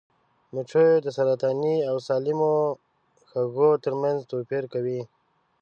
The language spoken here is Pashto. مچیو د سرطاني او سالمو سږو ترمنځ توپیر وکړ.